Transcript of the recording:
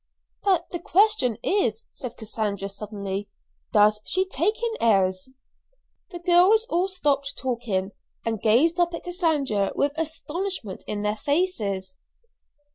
"But the question is," said Cassandra suddenly, "does she take airs?" The girls all stopped talking, and gazed up at Cassandra with astonishment in their faces.